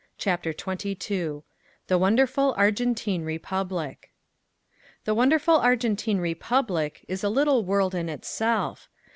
CHAPTER XXII THE WONDERFUL ARGENTINE REPUBLIC The wonderful Argentine Republic is a little world in itself.